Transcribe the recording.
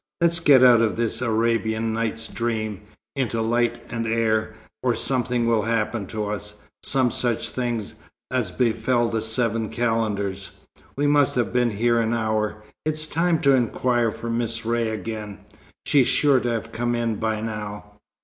Let's get out of this 'Arabian Nights' dream, into light and air, or something will happen to us, some such things as befell the Seven Calendars. We must have been here an hour. It's time to inquire for Miss Ray again. She's sure to have come in by now."